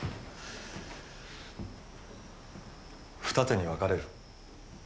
二手に分かれる。